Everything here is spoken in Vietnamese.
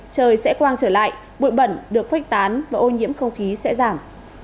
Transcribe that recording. trời sẽ quang trở lại bụi bẩn được khuếch tán và ô nhiễm không khí sẽ giảm